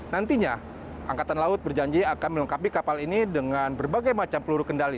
nantinya angkatan laut berjanji akan melengkapi kapal ini dengan berbagai macam peluru kendali